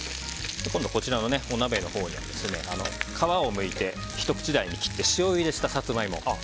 こちらのお鍋に皮をむいてひと口大に切って塩ゆでしたサツマイモ。